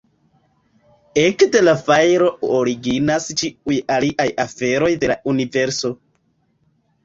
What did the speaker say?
Ekde la "fajro" originas ĉiuj aliaj aferoj de la universo.